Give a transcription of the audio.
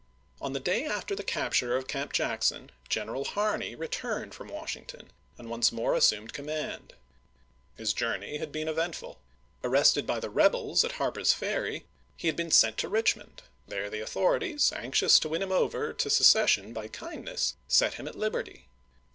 On the day after the capture of Camp Jackson, General Harney returned from Washington, and once more assumed command. His journey had been eventful. Arrested by the rebels at Harper's Ferry, he had been sent to Richmond ; there the authorities, anxious to win him over to secession by kindness, set him at lib erty.